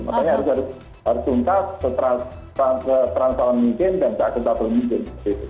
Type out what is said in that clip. makanya harus diungkap seteran mungkin dan tak ketat mungkin